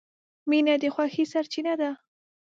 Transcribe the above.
• مینه د خوښۍ سرچینه ده.